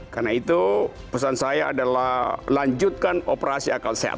karena itu pesan saya adalah lanjutkan operasi akal sehat